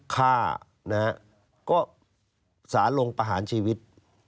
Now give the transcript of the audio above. ฆ่านะฮะก็สารลงประหารชีวิต